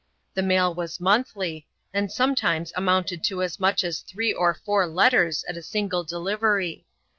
The mail was monthly, and sometimes amounted to as much as three or four letters at a single delivery.